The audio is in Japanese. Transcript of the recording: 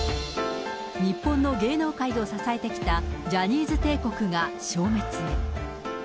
日本の芸能界を支えてきたジャニーズ帝国が消滅へ。